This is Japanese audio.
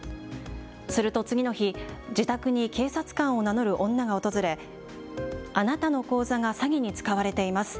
すると次の日、自宅に警察官を名乗る女が訪れあなたの口座が詐欺に使われています。